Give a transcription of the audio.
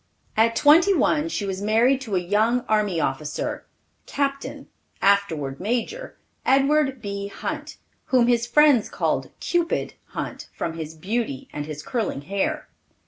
At twenty one she was married to a young army officer, Captain, afterward Major, Edward B. Hunt, whom his friends called "Cupid" Hunt from his beauty and his curling hair.